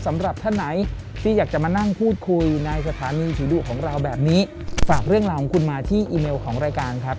สำหรับท่านไหนที่อยากจะมานั่งพูดคุยในสถานีผีดุของเราแบบนี้ฝากเรื่องราวของคุณมาที่อีเมลของรายการครับ